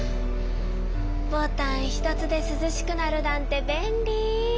ボタンひとつですずしくなるなんて便利！